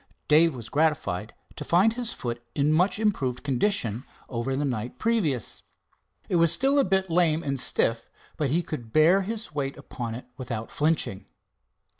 Dave was gratified to find his foot in much improved condition over the night previous. It was still a bit lame and stiff, but he could bear his weight upon it without flinching.